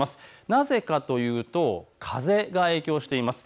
なぜかというと風が影響しています。